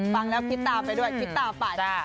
ฟังแล้วคิดตามไปด้วยคิดตามไป